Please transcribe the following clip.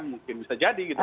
mungkin bisa jadi gitu